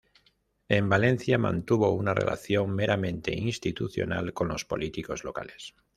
En Valencia mantuvo una relación meramente institucional con los políticos locales.